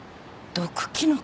毒キノコ？